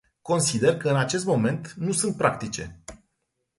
Consider că în acest moment nu sunt practice.